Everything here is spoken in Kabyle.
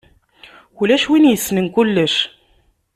Ulac win issnen kullec.